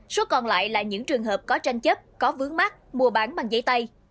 số còn lại là những trường hợp có tranh chấp có vướng mắt mua bán bằng giấy tay